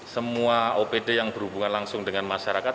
semua opd yang berhubungan langsung dengan masyarakat